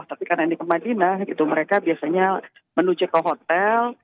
tapi karena ini ke madinah gitu mereka biasanya menuju ke hotel